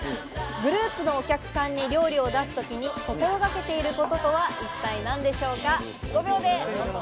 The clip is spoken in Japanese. グループのお客さんに料理を出すときに心がけていることとは一体何でしょうか？